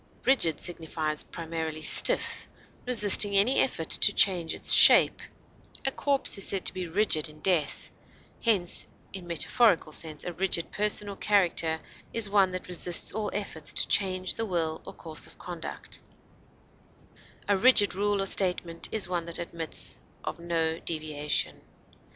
Rigid signifies primarily stiff, resisting any effort to change its shape; a corpse is said to be rigid in death; hence, in metaphorical sense, a rigid person or character is one that resists all efforts to change the will or course of conduct; a rigid rule or statement is one that admits of no deviation.